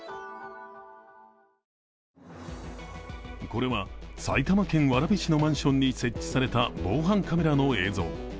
これは、埼玉県蕨市のマンションに設置された防犯カメラの映像。